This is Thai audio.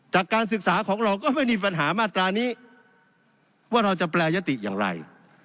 จากการศึกษาของเราก็ไม่มีปัญหามาตรานี้ว่าเราจะแปรยติอย่างไร